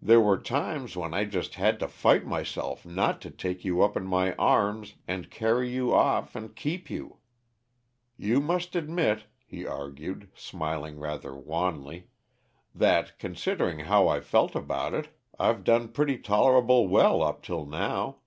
These were times when I just had to fight myself not to take you up in my arms and carry you of and keep you. You must admit," he argued, smiling rather wanly, "that, considering how I've felt about it, I've done pretty tolerable well up till now.